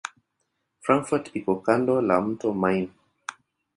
Frankfurt iko kando la mto Main.